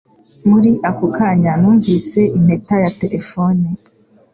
Muri ako kanya, numvise impeta ya terefone